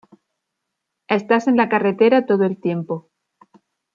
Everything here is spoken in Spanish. Estás en la carretera todo el tiempo.